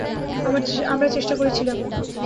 আমরা চেষ্টা করেছিলাম।